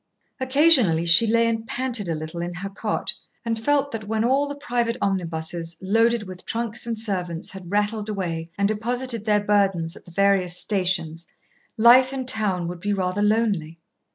Occasionally she lay and panted a little in her cot, and felt that when all the private omnibuses, loaded with trunks and servants, had rattled away and deposited their burdens at the various stations, life in town would be rather lonely.